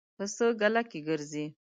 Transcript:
پسه ګله کې ګرځي.